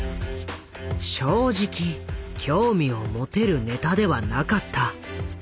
正直興味を持てるネタではなかった。